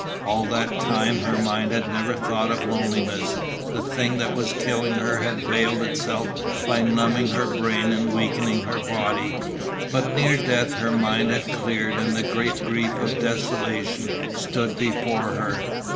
All that time her mind had never thought of loneliness, the thing that was killing her had veiled itself by numbing her brain and weakening her body. But near death her mind had cleared and the great grief of desolation stood before her.